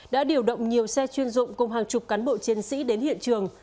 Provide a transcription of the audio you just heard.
đã điều động nhiều xe chuyên dụng cùng hàng chục cán bộ chiến sĩ đến hiện trường